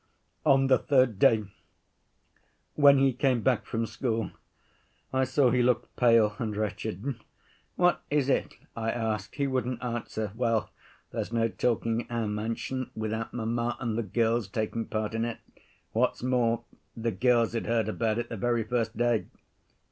" "On the third day when he came back from school, I saw he looked pale and wretched. 'What is it?' I asked. He wouldn't answer. Well, there's no talking in our mansion without mamma and the girls taking part in it. What's more, the girls had heard about it the very first day.